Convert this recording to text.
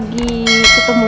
tante aku mau ke rumah